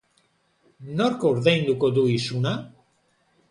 Nork ordainduko du isuna?